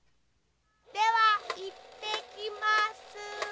ではいってきます。